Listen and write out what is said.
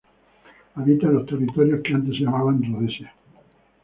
Habita en los territorios que antes se llamaban Rodesia.